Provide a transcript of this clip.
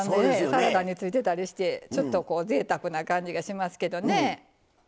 サラダについてたりしてちょっとぜいたくな感じがしますけどね。